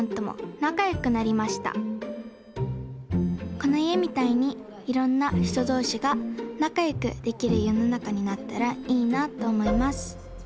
このいえみたいにいろんなひとどうしがなかよくできるよのなかになったらいいなとおもいます